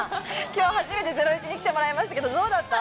今日初めて『ゼロイチ』に来てもらいましたけど、どうだった？